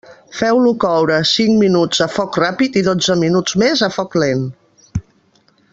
Feu-lo coure cinc minuts a foc ràpid i dotze minuts més a foc lent.